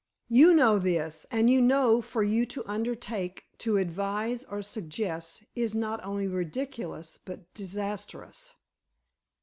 You know this, and you know for you to undertake to advise or suggest is not only ridiculous but disastrous."